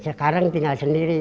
sekarang tinggal sendiri